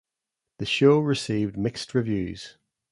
The show received mixed reviews.